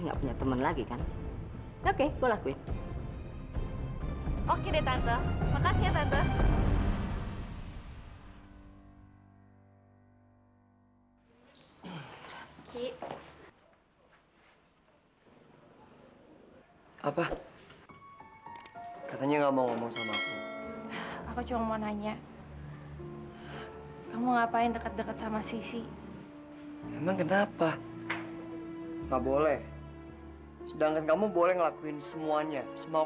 memang kenapa nggak boleh sedangkan kamu boleh ngelakuin semuanya semau